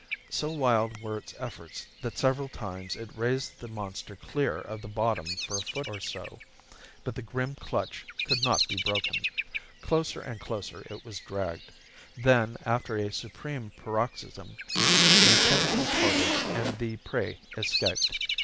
So wild were its efforts that several times it raised the monster clear of the bottom for a foot or so. But the grim clutch could not be broken. Closer and closer it was dragged. Then, after a supreme paroxysm, the tentacle parted and the prey escaped.